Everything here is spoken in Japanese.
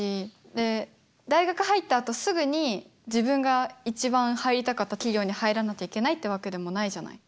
で大学入ったあとすぐに自分が一番入りたかった企業に入らなきゃいけないってわけでもないじゃない。